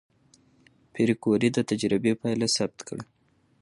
پېیر کوري د تجربې پایله ثبت کړه.